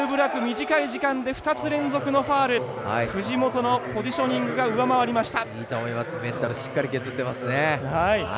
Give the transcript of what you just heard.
短い時間で２つ連続のファウル藤本のポジショニングが上回りました。